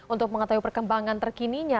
untuk mengetahui perkembangan terkininya